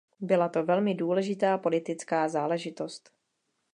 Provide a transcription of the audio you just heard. Byla to velmi důležitá politická záležitost.